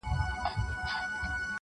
غلط دودونه نسلونه خرابوي ډېر,